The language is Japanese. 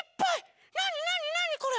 なになになにこれ？